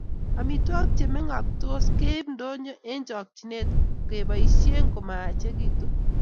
Amitwogik chengemoktos keib ndonyo eng chokchinet keboisie komayachikichitu